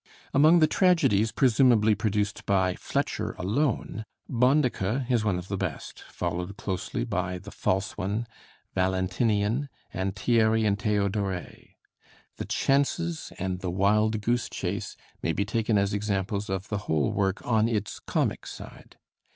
Among the tragedies presumably produced by Fletcher alone, 'Bonduca' is one of the best, followed closely by 'The False One,' 'Valentinian,' and 'Thierry and Theodoret.' 'The Chances' and 'The Wild Goose Chase' may be taken as examples of the whole work on its comic side.